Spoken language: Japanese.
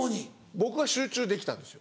僕は集中できたんですよ。